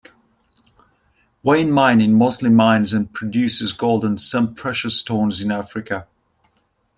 Wayne Mining mostly mines and produces gold and some precious stones in Africa.